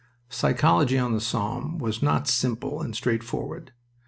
Psychology on the Somme was not simple and straightforward.